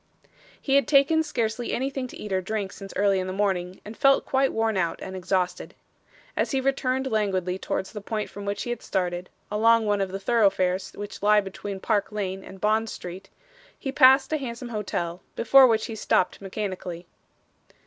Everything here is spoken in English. He had taken scarcely anything to eat or drink since early in the morning, and felt quite worn out and exhausted. As he returned languidly towards the point from which he had started, along one of the thoroughfares which lie between Park Lane and Bond Street, he passed a handsome hotel, before which he stopped mechanically.